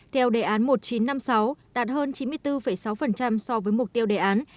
theo đề án một nghìn chín trăm năm mươi sáu đạt hơn chín mươi bốn sáu so với mục tiêu đề án